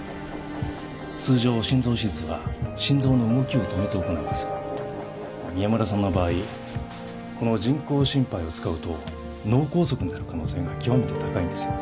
通常心臓手術は心臓の動きを止めて行います宮村さんの場合この人工心肺を使うと脳梗塞になる可能性が極めて高いんです